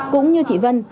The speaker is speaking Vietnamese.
cũng như chị vân